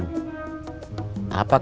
oh kamu paham sih